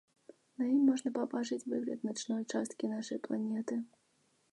На ім можна пабачыць выгляд начной часткі нашай планеты.